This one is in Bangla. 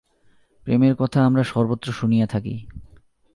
প্রেমের কথা আমরা সর্বত্র শুনিয়া থাকি।